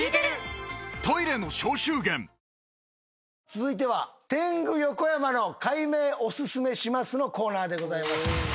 続いては「天狗横山の改名オススメします！」のコーナーでございます。